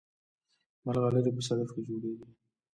ملغلرې په صدف کې جوړیږي